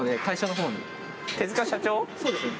そうですね。